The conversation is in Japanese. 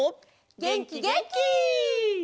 げんきげんき！